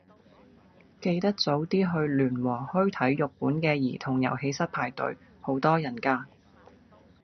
記得早啲去聯和墟體育館嘅兒童遊戲室排隊，好多人㗎。